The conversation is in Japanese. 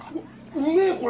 うめえこれ！